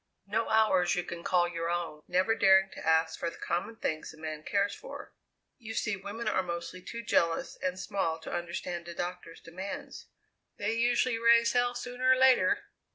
"No hours you can call your own; never daring to ask for the common things a man cares for. You see, women are mostly too jealous and small to understand a doctor's demands. They usually raise hell sooner or later.